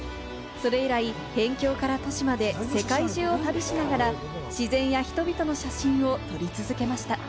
それ以来、辺境から都市まで世界中を旅しながら自然や人々の写真を撮り続けました。